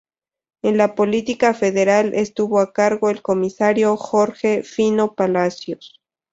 En la Policía Federal estuvo a cargo el comisario Jorge "Fino" Palacios.